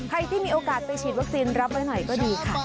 ใครที่มีโอกาสไปฉีดวัคซีนรับไว้หน่อยก็ดีค่ะ